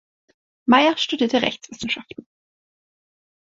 Meyer studierte Rechtswissenschaften.